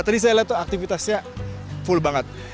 tadi saya lihat tuh aktivitasnya full banget